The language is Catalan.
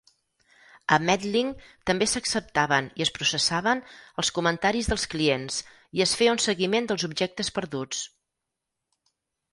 A Metlink també s'acceptaven i es processaven els comentaris dels clients i es feia un seguiment dels objectes perduts.